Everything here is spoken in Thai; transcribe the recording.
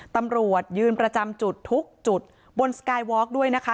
ตำรวจยืนประจำจุดทุกจุดบนสกายวอล์กด้วยนะคะ